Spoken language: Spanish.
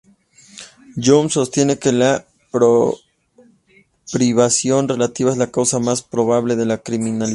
Young sostiene que la privación relativa es la causa más probable de la criminalidad.